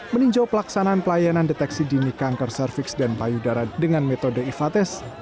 meninjau pelaksanaan pelayanan deteksi dini kanker cervix dan payudara dengan metode ifates